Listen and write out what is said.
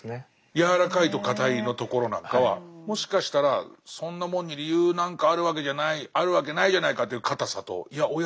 「やわらかいと硬い」のところなんかはもしかしたらそんなもんに理由なんかあるわけじゃないあるわけないじゃないかっていう硬さといやおや？